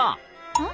うん？